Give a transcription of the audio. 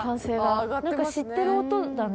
何か知ってる音だね。